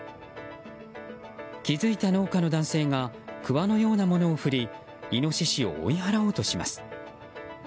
気づいた農家の男性がくわのようなものを振りイノシシを追い払おうとします。